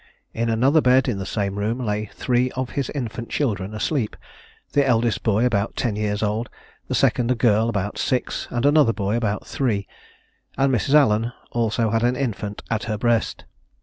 In another bed in the same room lay three of his infant children asleep, the eldest boy about ten years old, the second, a girl, about six, and another boy about three, and Mrs. Allen also had an infant at her breast.